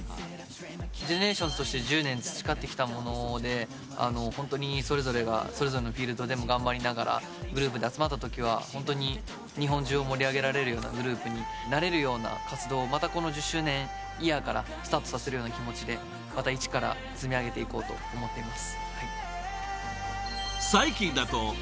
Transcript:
ＧＥＮＥＲＡＴＩＯＮＳとして１０年培ってきたものでホントにそれぞれがそれぞれのフィールドでも頑張りながらグループで集まったときはホントに日本中を盛り上げられるようなグループになれるような活動をまたこの１０周年イヤーからスタートさせるような気持ちでまた一から積み上げていこうと思っています。